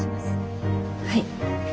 はい。